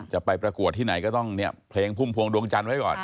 ไปประกวดที่ไหนก็ต้องเนี่ยเพลงพุ่มพวงดวงจันทร์ไว้ก่อน